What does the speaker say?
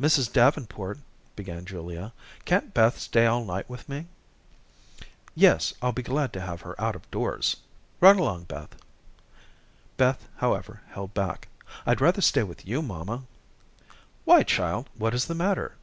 "Mrs. Davenport," began Julia, "can't Beth stay all night with me?" "Yes, I'll be glad to have her out of doors. Run along, Beth." Beth, however, held back. "I'd rather stay with you, mamma." "Why, child, what is the matter?"